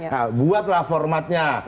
nah buatlah formatnya